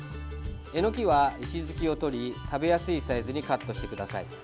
えのきは石突きを取り食べやすいサイズにカットしてください。